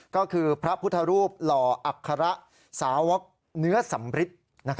ก็คือพระพุทธรูปหล่ออัคคาระสาวะเนื้อสัมภิษฐ์